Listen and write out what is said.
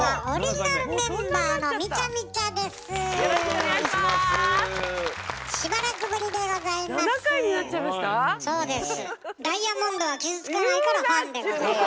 「ダイアモンドは傷つかない」からファンでございますから。